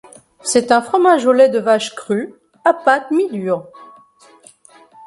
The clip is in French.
C'est un fromage au lait de vache cru, à pâte mi-dure.